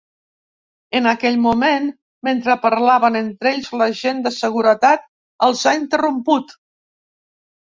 En aquell moment, mentre parlaven entre ells, l’agent de seguretat els ha interromput.